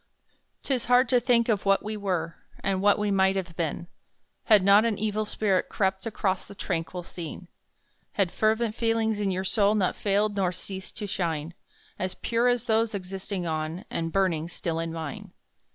'Tis hard to think of what we were, And what we might have been, Had not an evil spirit crept Across the tranquil scene: Had fervent feelings in your soul Not failed nor ceased to shine As pure as those existing on, And burning still in mine.